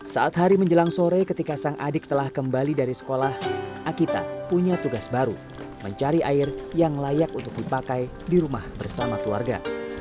saat hari menjelang sore ketika sang adik telah kembali dari sekolah akita punya tugas baru mencari air yang layak untuk dipakai di rumah bersama keluarga